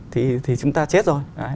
thì chúng ta chết rồi